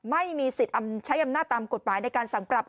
ไม่มีสิทธิ์ใช้อำนาจตามกฎหมายในการสั่งปรับ